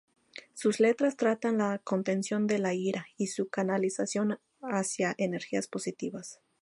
Sus letras tratan la contención de la ira y su canalización hacia energías positivas.